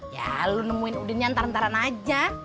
ya lu nemuin udinnya ntar ntaran aja